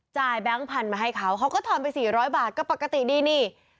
แบงค์พันธุ์มาให้เขาเขาก็ทอนไป๔๐๐บาทก็ปกติดีนี่